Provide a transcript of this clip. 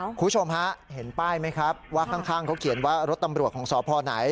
คุณผู้ชมฮะเห็นป้ายไหมครับว่าข้างเขาเขียนว่ารถตำรวจของสพไหน